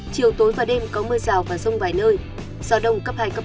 chiều tối và đêm có mưa rào và rông vài nơi gió đông cấp hai cấp ba